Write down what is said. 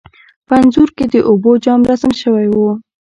په انځور کې د اوبو جام رسم شوی و.